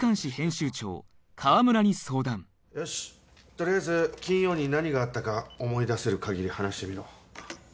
取りあえず金曜に何があったか思い出せる限り話してみろ。